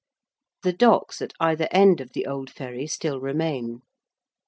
The docks at either end of the old ferry still remain.